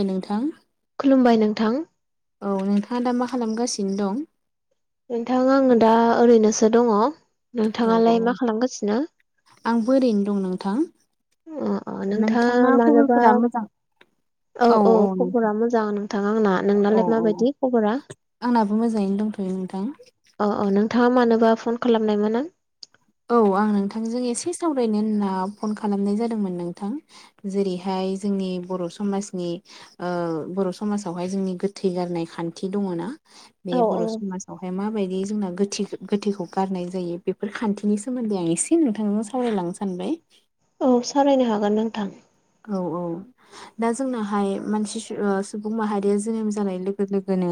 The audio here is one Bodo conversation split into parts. ओइ नोंथां। खुलुमबाय नोंथां। औ नोंथाङा दा मा खालामगासिनो दं? नोंथां आंङो दा ओरैनोसो दङ। औ औ नोंथाङालाय मा खालामगासिनो? आंबो ओरैनो दं नोंथां। ओ अ नोंथा नोंथांना मानोबा खबरफोरा मोजां? औ औ खफरा मोजां नोंथां आंना। औ नोंनालाय औ माबायदि खबरा? आंनाबो मोजाङैनो दंथ'यो नोंथां। अ अ नोंथाङा मानोबा फन खालामनायमोन ना? औ आं नोंथांजों एसे सावरायनो होनना फन खालामनाय जादोंमोन नोंथां। जेरैहाय जोंनि बर' समाजनि ओ बर' समाजावहाय जोंनि गोथै गारनाय खान्थि दङ ना बे औ बर' औ समाजावहाय माबायदि जोंना गोथि गोथैखौ गारनाय जायो बेफोर खान नि सोमोन्दै आं एसे नोंथांजों सावरायलांनो सानबाय। औ सारायनो हागोन नोंथां। औ औ। दा जोंनाहाय मानसि ओ सुबुं माहारिया जोनोम जानाय लोगो लोगोनो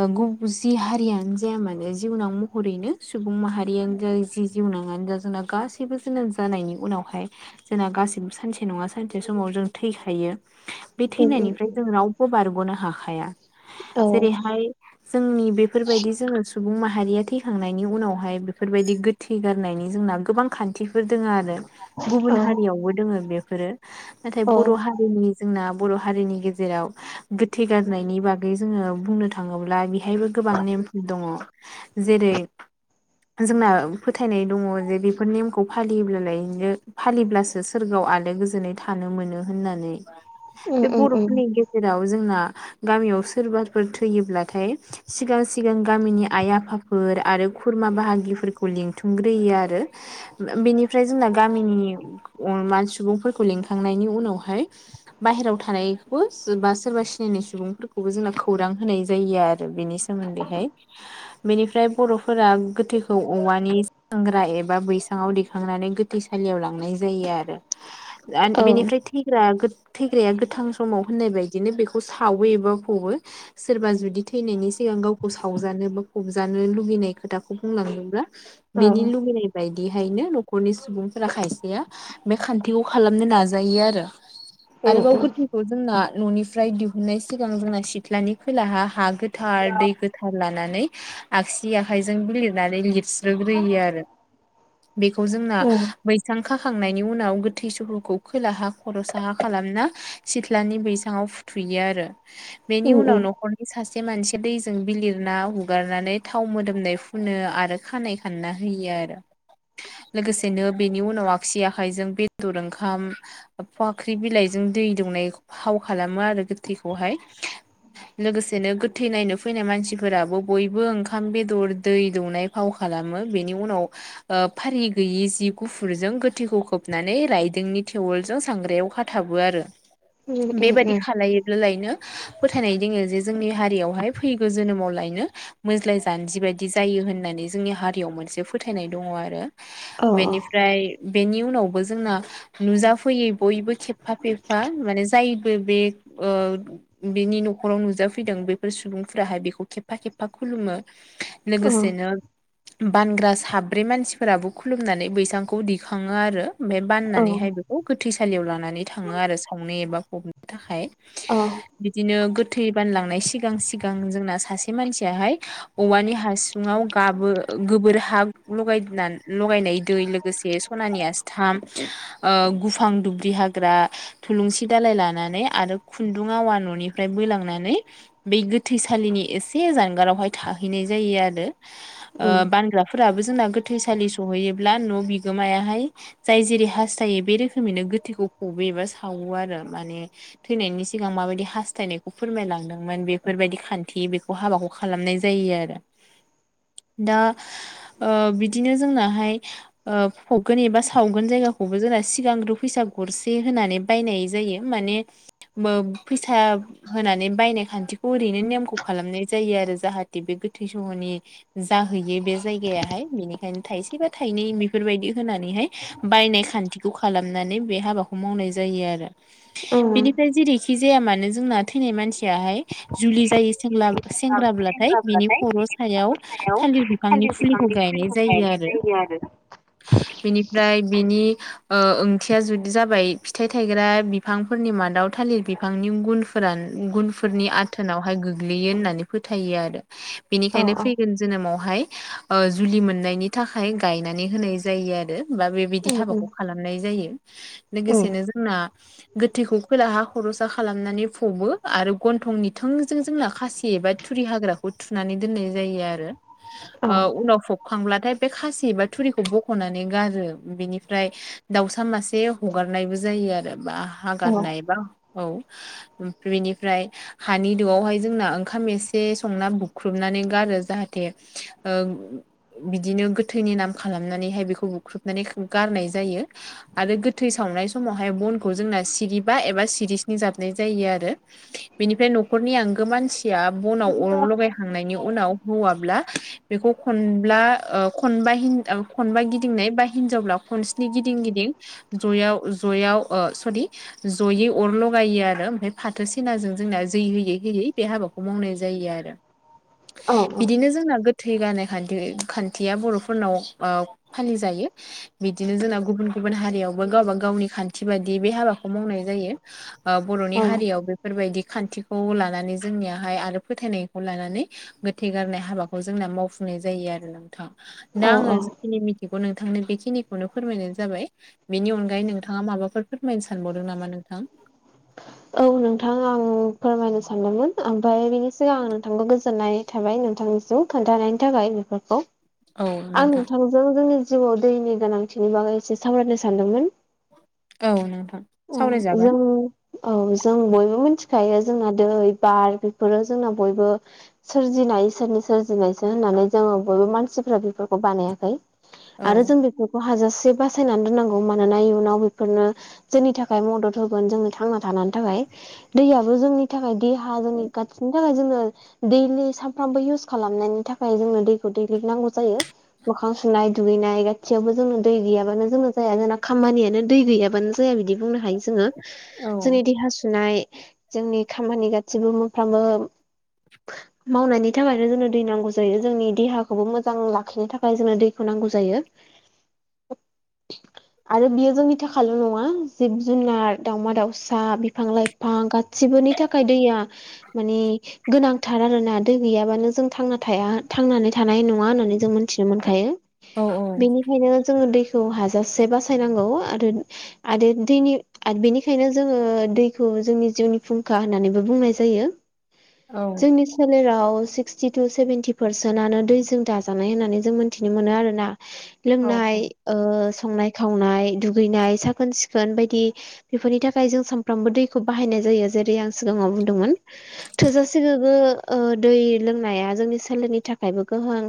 ओ गुबुन जि हारियानो जाया मानो जिउनाव महरैनो सुबुं माहारियानो जा जि जिउ नङानो दा जोंना गासैबो जोनोम जानायनि उनावहाय जोंना गासिबो सानसे नङा सानसे समाव जों थैखायो बे उम उम थैनायनिफ्राय उम जों रावबो बारग'नो हाखाया औ जेरै हाय जोंनि बेफोरबायदि जोङो सुबुं माहारिया थैखांनायनि उनावहाय बेफोरबायदि गो थै गारनायनि जोंना गोबां खान्थिफोर दोङ आरो औ गुबुन हारियावबो दोङो बेफोरो नाथाय औ बर' हारिनि जोंना बर' हारिनि गेजेराव गोथै गारनायनि बागै जोङो बुंनो थाङोब्ला बेहायबो गोबां नेमफोर दङ जेरै जोंना फोथायनाय दङ जे बेफोर नेमखौ फालियोब्लालायनो फालिब्लासो सोरगोआव आलो गोजोनै थानो मोनो होननानै उम बे उम उम बर'फोरनि जेराव जोंना गामियाव सोरबाफोर थैयोब्लाथाय सिगां सिगां गामिनि आइ आफाफोर आरो खुरमा बाहागिफोरखौ लिंथुमग्रोयो आरो बेनिफ्राय जोंना गामिनि सुबुंफोरखौ लिंखांनायनि उनावहाय बाहेरायाव थानायखौबो बा सोरबा सिनायनाय सुबुंफोरखौबो जोंना खौरां होनाय जायो आरो बेनि सोमोनदैहाय। बेनिफ्राय बर'फोरा गोथैखौ औवानि संग्रा एबा बैसाङाव दैखांनानै गोथ गोथैसालियाव लांनाय जायो आरो औ बेनिफ्राय थैग्रा थैग्राया गोथां समाव होननाय बायदिनो बेखौ सावो एबा फ'बो। सोरबा जुदि थैनायनि सिगां गावखौ सावजानो बा फबजानो लुगैनाय खोथाखौ बुंलांदोंब्ला उम बेनि लुबैनाय बायदिहायनो न'खरनि सुबुंफोरा खायसेया बे खान्थिखौ खालामनो नाजायो आरो उम आरोबाव उम गोथैखौ जोंना न'निफ्राय दिहुननाय सिगां जोंना सिथ्लानि खोलाहा हा गोथार दै गो थार लानानै आगसि आखाइजों बिलिरनानै लिर रोग्रोयो आरो बेखौ जोंना बैसां खाखांनायनि उनाव गो थैसफोरखौ खोलाहाा खरसा हा खालामना सिथ्लानि बैजां आव फु थुयो आरो बेनि उनाव नखर नि सासे मानसि दैजों बिलिरना हुगारनानै थाव मोदोमनाय फुनो आरो खानाय खानना होयो आरो लोगोसेनो बेनि उनाव आगसि आखाइजों बे दर ओंखाम फाख्रि बिलाइजों दै दौनाय फाव खालामो आरो गोथैखौहाय। लोगोसेनो गोथै नायनो फैनाय मानसिफोराबो बयबो ओंखाम बेदर दै दौनाय फाव खालामो बेनि उनाव ओ फारि गैयै जि गुफुरजों गोथैखौ खोब नानै रायदोंनि थेवोलजों सांग्रायाव खाथाबो आरो उम उम बेबायदि उम खालायोब्लालायनो फोथायनाय दोङो जे जोंनि हारियावहाय फैगौ जोनोमाव लायनो मोज्लाय जानजि बायदि जायो होननानै जोंनि हारियाव मोनसे फोथायनाय दङ आरो औ बेनिफ्राय बेनि उनावबो जोंना नुजाफैयै बयबो खेबफा फेबफा माने जायबो बे ओ बेनि न'खराव नुजाफैदों बैफोर सुबुंफोराहाय बेखौ खेबफा खेबफा खुलुमो। औ लोगोसेनो बानग्रा साब्रै मानसिफोराबो खुलुमनानै बैसांखौ दिखाङो आरो बे औ बाननानैहाय बेखौ गोथैसालियाव लानानै थाङो आरो सावनो एबा फबनो थाखाय। अ बिदिनो गोथै बानलांनाय सिगां सिगां जोंना सासे मानसियाहाय औवानि हासुङाव गाबो गोबोर हा लगाय लगायनाय दै लोगोसे सनानि आस्थाम गुफां दुबरि हाग्रा थुलुंसि दालाय लानानै आरो खुन्दुं आवा न'निफ्राय बोलांनानै बे गोथैसालिनि एसे जानगारावहाय थाहैनाय जायो आरो उम ओ बानग्राफोराबो जोंना गोथैसालि सहैयोब्ला न' बिगोमायाहाय जाय जेरै हास्थायो बे रोखोमैनो गोथैखौ फबो एबा सावो आरो माने थैनायनि सिगां माबायदि हास्थायनायखौ फोरमायलांदोंमोन बेफोरबायदि खान्थि बेखौ हाबाखौ खालामनाय जायो आरो दा ओ बिदिनो जोंनाहाय ओ फगोन एबा सावगोन जायगाखौबो जोंना सिगांग्रो फैसा गरसे होनानै बायनाय जायो माने मो फैसा होनानै बायनाय खान्थिखौ ओरैनो नेमखौ खालामनाय जायो आरो जाहाथे बे गोथै सहनि जाहैयो बे जायगायाहाय बेनिखायनो थाइसे बा थाइनै बेफोरबायदि होनानैहाय बायनाय खान्थिखौ खालामनानै बे हाबाखौ मावनाय जायो आरो उम बेनिफ्राय जेरै खि जाया मानो जोंना थैनाय मानसियाहाय जुलि जायै सेंलाब सेंग्राब्लाथाय बिनि खर' सायाव थालिर बिफांनि फुलिखौ गायनाय जायो आरो बिनिफ्राय बिनि ओ ओंथिया जुदि जाबाय फिथाइ थायग्रा बिफांफोरनि मादाव थालिर बिफांनि गुन फोरान गुनफोरनि आथोनावहाय गोग्लैयो होननानै फोथायो आरो औ बेनिखायनो औ फैगोन जोनोमावहाय ओ जुलि मोननायनि थाखाय गायनानै होनाय जायो आरो बा बेबायदि उम हाबाखौ खालामनाय जायो। उम लोगोसेनो जोंना गोथैखौ खोलाहा खर'स खालामनानै फबो आरो गन्थंनि थोंजों जोंना खासि एबा थुरि हाग्रा खौ थुनानै दोननाय जायो आरो ओ उम उनाव फबखांब्लाथाय बे खासि एबा थुरिखौ बख'नानै गार बिनिफ्राय दाउसा मासे हगारनायबो जायो आरो बा हागारनाय बा औ बेनिफ्राय हानि दोआवहाय जोंना ओंखाम एसे संना बुख्रुबनानै गारो। जाहाथे ओ बिदिनो गोथैनि नाम खालामनानैहाय बेखौ बुख्रुब नानै गारनाय जायो। आरो गोथै सावनाय समावहाय बनखौ जोंना सिरिबा एबा सिरिस्नि जाबनाय जायो आरो बेनिफ्राय न'खरनि आंगो मानसिया बनाव अर लगायखांनायनि उनाव हौवाब्ला बेखौ खनब्ला ओ खनबा हिन ओ खनबा गिदिंनाय बा हिनजावब्ला खनस्नि गिदिं गिदिं जयाव जयाव ओ सरि जयै अर लगायो आरो ओमफाय फाथो सेनाजों जोंना जै होयै होयै बे हाबाखौ मावनाय जायो आरो औ [inaudible] बिदिनो जोंना गोथै गारनाय खान्थि खान्थिया बर'फोरनाव ओ फालिजायो। बिदिनो जोंना गुबुन गुबुन हारियावबो गावबा गावनि खान्थि बायदि बे हाबाखौ मावनाय जायो। ओ बर'नि औ हारियाव बे बेफोरबायदि खान्थिखौ लानानै जोंनियाहाय आरो फोथायनायखौ लानानै गोथै गारनाय हाबाखौ जोंना मावफुंनाय जायो आरो नोंथां। दा औ आङो औ जिखिनि मिथिगौ नों नोंथांनो बेखिनिखौनो फोरमायनाय जाबाय। बेनि अनगायै नोंथाङा माबाफोर फोरमायनो सानबावदों नामा नोंथां? औ नोंथां आं फोरमायनो सानदोंमोन। ओमफाय बेनि सिगां आं नोंथांखौ गोजोननाय थाबाय नोंथांनिसिम खोन्थानायनि थाखाय बेफोरखौ। औ आं नोंथां नोंथांजों जोंनि जिउआव दैनि गोनांथिनि बागै एसे सावरायनो सानदोंमोन। औ नोंथां उम सावरायजागोन जों औ जों बयबो मिनथिखायो जोंना दै बार बेफोरो जोंना बयबो सोरजिनाय इसोरनि सोरजिनायसो होननानै जोङो बयबो मानसिफ्रा बेफोरखौ बानायाखै। आरो औ जों बेफोरखौ हाजासे बासायनानै दोननांगौ मानोना इयुनाव बेफोरनो सोरनि थाखाय मदद होगोन जोंनो थांना थाना थाखाय दैयाबो जोंनि थाखाय देहा जोंनि गासिनि थाखाय जोंनो दैलि सानफ्रामबो इउस खालामनायनि थाखाय जोंनो दैखौ दैलिक नांगौ जायो। मोखां सुनाय दुगैनाय गासियावबो जोंङो दै गैयाबानो जोंङो जाया जोंना खामानियानो दै गैयाबानो जाया बिदि बुंनो हायो। जोङो औ। जोंनि देहा सुनाय जोंनि खामानि गासिबो मोनफ्रामबो मावनायनि थाखायनो जोंनो दै नांगौ जायो। जोंनि देहाखौबो मोजां लाखिनो थाखाय जोंनो दैखौ नांगौ जायो। आरो बेयो जोंनि थाखायल' नङा। जिब जुनार दाउमा दाउस सा बिफां लाइफां गाससिबोनि थाखाय दैया मानि गोनां थार आरो ना। दै गैयाबानो जों थांना थाया थांनानै थानाय न नङा होननानै जों मोनथिनो मोनखायो। औ बेनिखायनो जोङो दै हाजासे बासायनांगौ आरो आरो दैनि बेनिखायनो जोङो दैखौ जोंनि जिउनि फुंखा होननानैबो बुंनाय जायो जोंनि सोलेराव सिक्सटि टु सेभेेनटि पारसेन्टआनो दैजों दाजानाय होन्नानै जों मोन्थिनो मोनो आरो ना - [inaudible] औ लोंनाय ओ संनाय खावनाय दुगैनाय साखोन सिखोन बायदि बेफोरनि थाखाय फ्राय जों सामफ्रामबो दैखौ बाहायनाय जायो जेरै आं सिगाङाव बुंदोंमोन। थोजासे गोग्गो ओ दै लोंनाया जोंनि सोलेरनि थाखायबो गोहोम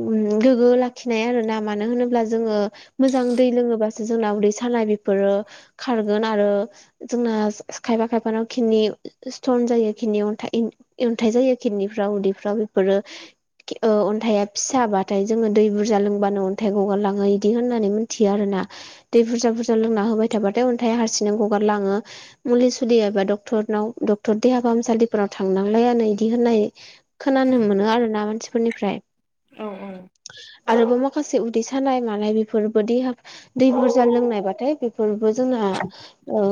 गोग्गो लाखिनाय आरो ना मानो होनोब्ला जोंङो मोजां दै लोंङोबासो जोंना उदै सानाय बेफोरो खारगोन आरो जोंना खायफा खायफानाव खिनि स्थन जायो खिदनि अन्थाइ अन्थाइ जायो खिदनिफ्राव उदैफ्राव बेफोरो ओ अन्थाइया फिसाबाथाय जोङो दै बुरजा लोंबानो अन्थाइ गगारलाङो बिदि होननानै थियो आरो ना दै बुरजा बुरजा लोंना होबाय थाबाथाय अन्थाइा ग गार लांओ मुवा सुलि बा डक्टरनाव डक्टर देहाफाहामसाालिफोराव थांनांलायानो बिदि होननाय खोनानो मोनो आरो ना मानसिफोरनिफ्राय औ आरोबाव मा माखासे उदै सानाय मानाय बेफोर बाददि दै बुरजा लोंनायबाथाय बेफोरबो जोंहा ओ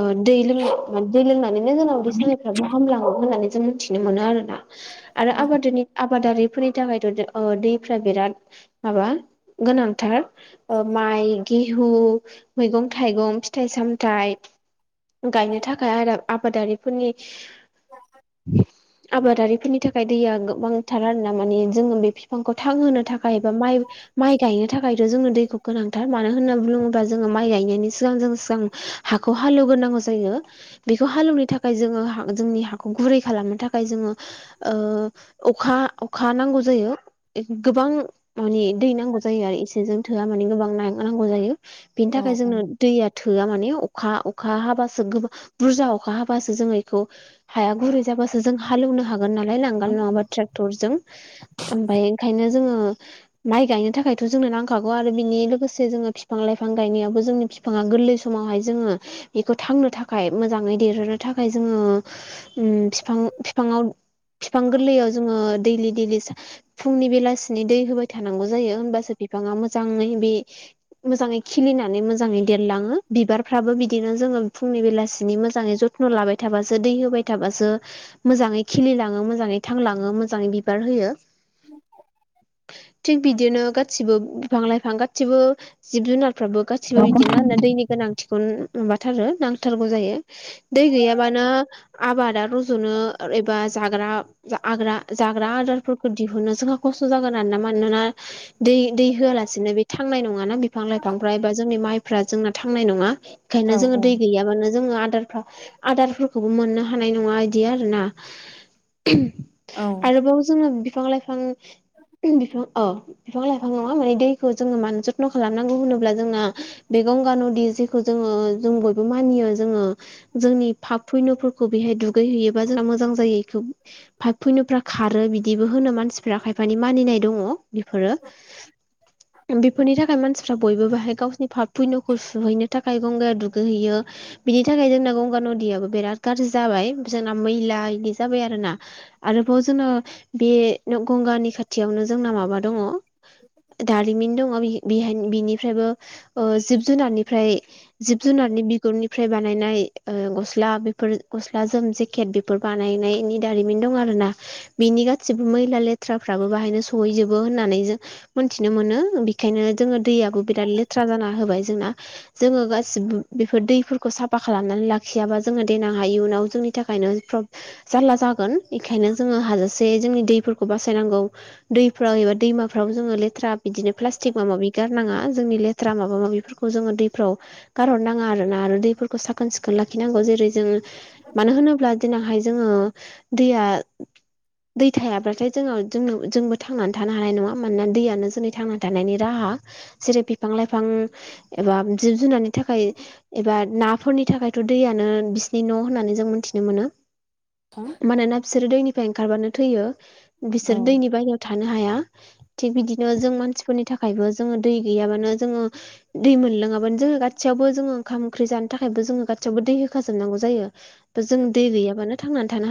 ओ दै लोंनाय माने दै लोमनानैनो जोंनाव उदै सानायफ्राबो हामलाांगौ होननानै जों मिथि मोनो आरोना आरो औ आबादनि आबादारिफोरनि थाखायथ' ओ दैफ्रा बिराद माबा गोनांथार माइ गेहु मैगं थाइगं फिथाइ सामथायाइ गायनो थाखाय आरो आबादारिफोरनि [unintelligible] आबादारिफोरनि थाखाय दैया गोबांथार आरो ना माने जोङो बे बिफांखौ थांहोनो थाखाय बा माइ माइ गायनो थाखायथ' जोङो दैखौ गोनांथार मानो होनना बुङोबा जोङो माइ गायनायनि सिगां जों सिगां हाखौ हालेवग्रोनांगौ जायो। बेखौ हालेवनो थाखाय जोङो जोंनि हाखौ गुरै खालामनो थाखाय जोंङो ओ अखा अखा नांगौ जायो। गोबां माने दै नांगौ जायो आरो इसेजों थोआ माने गोबां नांगौ जायो बिनि थाखाय जोंनो दैया थोआ माने अखा अखा हाबासो गोबां बुरजा अखा हाबासो जोंङो बेखौ हाया गुरै जाबासो जों हालेवनो हागोन नालाय लांगाल नंङाबा ट्रेक्टरजों ओमफाय ओंखायनो जोंङो माइ गायनो थाखायथ' जोंनो नांखागौ आरो बिनि लोगोसे जोङो बिफां लाइफां बिफां गायनायाबो जोंनि बिफाङा गोरलै समावहाय जोंङो बेखौ थांनो थाखाय मोजाङै देरहोनो थाखाय जोंङो। उम बिफां बिफांव बिफां गोरलैयाव जोङो दैलि दैलि फुंनि बेलासिनि दै होबाय थानांगौ जायो हबासो बिफांङा मोजाङै बे मोजाङै खिलिनानै मोजाङै देरलाङो बिबारफ्राबो बिदिनो जोंङो फुंनि बेलासिनि मोजाङै जथन' लाबाय थाबासो दै होबाय थाबासो मोजाङै खिलिलाङो मोजाङै थांलाङो मोजाङै बिबार होयो। थिग बिदिनो गासिबो बिफां लाइफां गासिबो जिब जुनारफ्राबो गा सिबो बिदिनो दैनि गोनांथिखौ माबाथारो नांथारगौ जायो। दै गैयाबानो आबादा रज'नो एबा जाग्रा आग्रा जाग्रा आदारफोरखौ दिहुनो जोंहा खस्थ' जागोन आरोना मानोना दै दै होआलासिनो बे थांनाय नंङाना बिफां लाइफां बिफांफ्रा एबा जोंनि माइफ्रा जोंना थांनाय नङा औ बेखायनो जोङो दै औ गैयाबानो जोंङो आदार आदारफोरखौबो मोननो हानाय नङा इदि आरोना [unintelligible] औ आरोबाव जोंङो बिफां लाइफां [unintelligible] बिफां औ बिफां लाइफां नङा माने दैखौ जोङो मानो जथ्न' खालामनांगौ होन अब्ला जोंना बे गंगा नदि जेखौ जोंङो जों बयबो मानियो जोंङो जोंनि पाब फैनो'फोरखौ बेहाय दुगै हैैयोबा जोंना मोजां जायो बेखौ फाइफ फुनोफ्रा खारो बिदिबो होनो मानसिफ्रा खायफानि मानिनाय दङ बेफोरो बेफोरनि थाखाय मानसिफ्रा बयबो बाहाय गावसिनि फा फुन'खौ सुहैनो थाखाय गंगाया दुगैहैयो। बिनि थाखाय जोंना गंगा नदियो बिराद गाज्रि जाबाय। जोंना मैला इदि जाबाय आरो ना आरोबाव जोंनो बे गंगानि खाथियावनो जोंना माबा दङ। दारिमिन दङ बिहान बिनिफ्रायबो जिब जुनारनिफ्राय जिब जुनारनि बिगुरनिफ्राय बानायनाय ओ गस्ला बेफोर गस्ला जोम जे प्केट बेफोर बानायनायनि दारिमिन दं आर ना। बिनि गासैबो मैला लेथ्राफ्राबो बाहायनो सहैजोबो होननानै जों मोनथिनो मोनो। बेखायनो जोंङो दैयाबो बिराद लेथ्रा जाना होबाय जोंना। जोंङो गासिबो बेफोर दैफोरखौ साफा खालामनानै लाखियाबा जोंङो देनां हायो इ उनाव जोंनि नि थाखायनो प्र जारला जागोन। बेखायनो जोंङो हाजासे जोंनि दैफोरखौ बासायनांगौ। दैफ्राव एबा दैमाफ्राव जोंङो लेथ्रा बिदिनो प्लास्टिक मा माबि गारनाङा। जोंनि लेथ्रा माबा माबिफोरखौ जोंङो दैफ्राव गारहरनाङा आरोना आरो दैफोरखौ साखोन सिखोन लाखिनांगौ जेरै जोंङो मानो होनोब्ला दिनावहाय जोंङो दैया दै थायाब्लाथाय जोंङो जोंनो जोंबो थांनानै थानो हानाय नङा मानोना दैयानो जोंनि थांना थानायनि राहा जेरै बिफां लाइफां एबा जिब जुनारनि थाखाय एबा नाफोरनि थाखायथ' दैयानो बिसिनि न' होननानै जों मोनथिनो मोनो। [unintelligible] मानोना बिसोरो दैनिफ्राय ओंखारबानो थैयो। बिसोर औ दैनि बाहेरायाव थानो हाया। थिग बिदिनो जों मानसिफोरनि थाखायबो जोंङो दै गैयाबानो जोंङो दै मोनलोंङाबानो जोंङो गासैयावबो ओंखाम ओंख्रि थाखायबो जोंङो गयावबो दै होखा जोबनांगौ जायो। बा जों दै गैयाबानो थांनानै थानो हा